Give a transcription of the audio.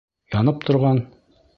Янып торған?